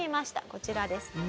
こちらですね。